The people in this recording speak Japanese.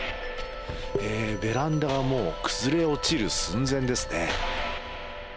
ベランダがもう崩れ落ちる寸前ですね。